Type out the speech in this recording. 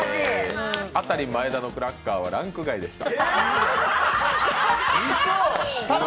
あたり前田のクラッカーはランク外でした。